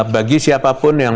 bagi siapapun yang